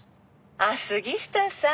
「あっ杉下さん？